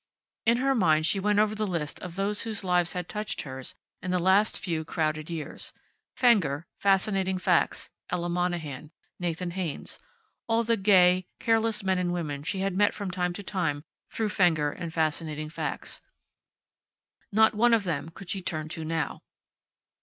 In her mind she went over the list of those whose lives had touched hers in the last few crowded years. Fenger, Fascinating Facts, Ella Monahan, Nathan Haynes; all the gay, careless men and women she had met from time to time through Fenger and Fascinating Facts. Not one of them could she turn to now.